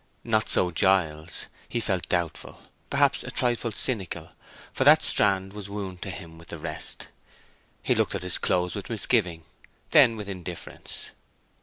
Not so Giles; he felt doubtful—perhaps a trifle cynical—for that strand was wound into him with the rest. He looked at his clothes with misgiving, then with indifference.